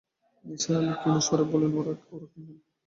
নিসার আলি ক্ষীণ স্বরে বললেন, ওরা কী নাম?